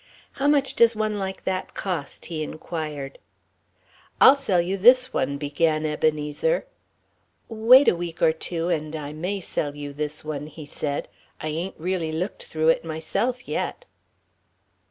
"How much does one like that cost?" he inquired. "I'll sell you this one " began Ebenezer; "wait a week or two and I may sell you this one," he said. "I ain't really looked through it myself yet."